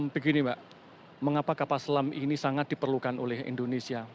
begini mbak mengapa kapal selam ini sangat diperlukan oleh indonesia